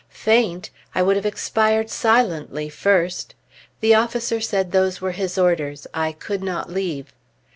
Faint! I would have expired silently first! The officer said those were his orders; I could not leave.